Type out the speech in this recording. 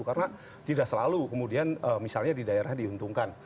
karena tidak selalu kemudian misalnya di daerah diuntungkan